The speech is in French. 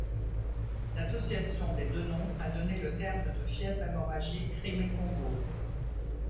L'association des deux noms a donné le terme de fièvre hémorragique Crimée-Congo.